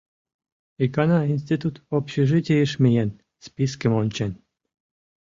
Икана институт общежитийыш миен, спискым ончен.